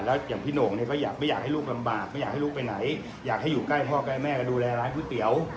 แล้วอย่างพี่โหน่งเนี่ยก็อยากไม่อยากให้ลูกลำบากไม่อยากให้ลูกไปไหนอยากให้อยู่ใกล้พ่อใกล้แม่ก็ดูแลร้านก๋วยเตี๋ยว